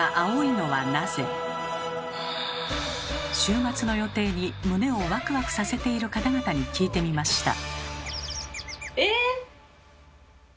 週末の予定に胸をワクワクさせている方々に聞いてみました。